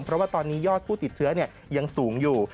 เพราะว่าตอนนี้ยอดผู้ติดเชื้อยังสูงอยู่